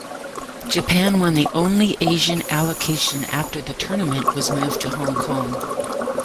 Japan won the only Asian allocation after the tournament was moved to Hong Kong.